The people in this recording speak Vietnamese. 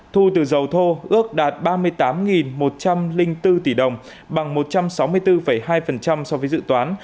thu từ dầu thô ước đạt ba mươi tám một trăm linh bốn tỷ đồng bằng một trăm sáu mươi bốn hai so với dự toán